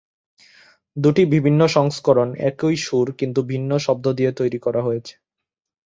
দুটি বিভিন্ন সংস্করণ একই সুর কিন্তু ভিন্ন শব্দ দিয়ে তৈরি করা হয়েছে।